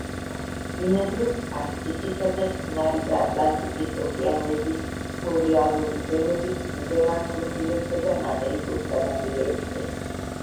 ბინადრობს არქტიკისა და წყნარი და ატლანტის ოკეანეების ბორეალური ზონების კლდოვან კუნძულებსა და მატერიკულ სანაპიროებზე.